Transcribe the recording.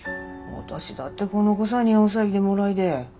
私だってこの子さ日本さいでもらいで。